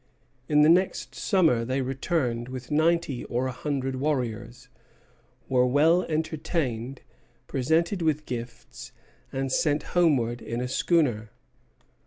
In the next summer they returned with ninety or a hundred warriors, were well entertained, presented with gifts, and sent homeward in a schooner.